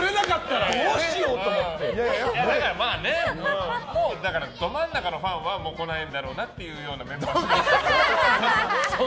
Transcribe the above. だから、まあねど真ん中のファンは来ないんだろうなっていうメンバーしてる。